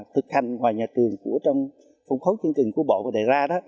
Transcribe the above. thực hành ngoài nhà trường của trong phung khấu chương trình của bộ có thể ra đó